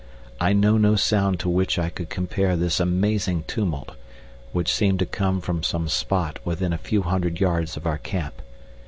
I know no sound to which I could compare this amazing tumult, which seemed to come from some spot within a few hundred yards of our camp.